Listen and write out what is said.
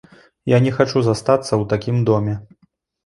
Я не хачу застацца ў такім доме.